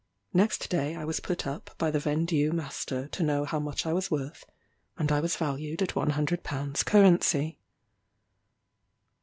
Next day I was put up by the vendue master to know how much I was worth, and I was valued at one hundred pounds currency.